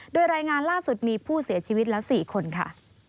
โดยรายงานล่าสุดมีผู้เสียชีวิตแล้ว๔คนค่ะ